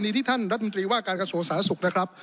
กรณีที่ท่านรัฐมนตรีว่าการขสุอสารสุขนะครับ